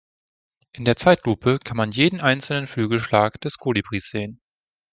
In der Zeitlupe kann man jeden einzelnen Flügelschlag des Kolibris sehen.